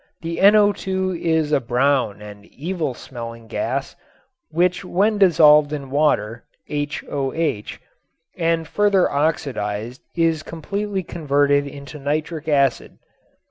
The NO_ is a brown and evil smelling gas which when dissolved in water (HOH) and further oxidized is completely converted into nitric acid.